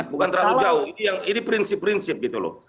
bukan terlalu jauh ini prinsip prinsip gitu loh